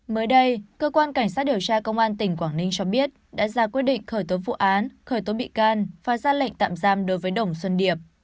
mới đây cơ quan cảnh sát điều tra công an tỉnh quảng ninh cho biết đã ra quyết định khởi tố vụ án khởi tố bị can và ra lệnh tạm giam đối với đồng xuân điệp